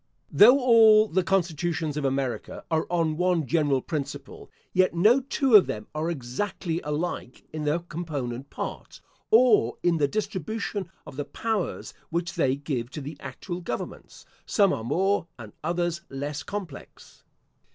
Though all the constitutions of America are on one general principle, yet no two of them are exactly alike in their component parts, or in the distribution of the powers which they give to the actual governments. Some are more, and others less complex.